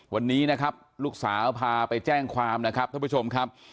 วันนี้นะครับลูกสาวพาไปแจ้งความนะครับท่านผู้ชมครับ